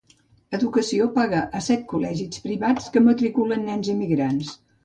Educació paga a set col·legis privats que matriculen nens immigrants.